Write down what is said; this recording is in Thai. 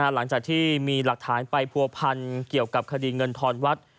หลังจากที่มีหลักฐานไปผัวพันเกี่ยวกับคดีเงินทอนวัด